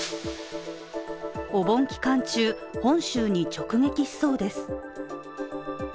お盆期間中、本州に直撃しそうです。